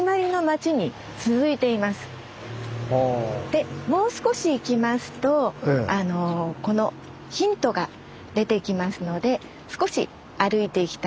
でもう少し行きますとこのヒントが出てきますので少し歩いていきたいと思います。